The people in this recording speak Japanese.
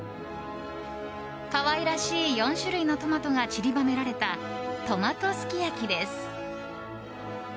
可愛らしい４種類のトマトが散りばめられたトマトすき焼きです。